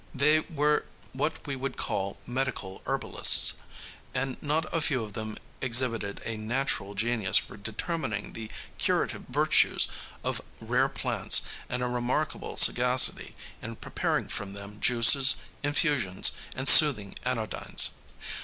They were what we would call medical herbalists, and not a few of them exhibited a natural genius for determining the curative virtues of rare plants and a remarkable sagacity in preparing from them juices, infusions and soothing anodynes.